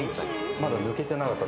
まだ抜けてなかった？